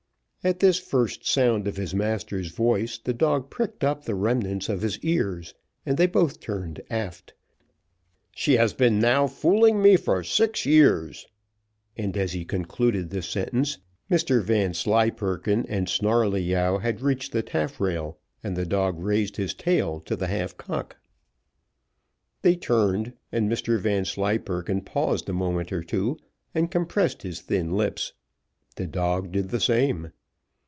At this first sound of his master's voice the dog pricked up the remnants of his ears, and they both turned aft. "She has been now fooling me for six years;" and as he concluded this sentence, Mr Vanslyperken and Snarleyyow had reached the taffrail, and the dog raised his tail to the half cock. They turned, and Mr Vanslyperken paused a moment or two, and compressed his thin lips the dog did the same.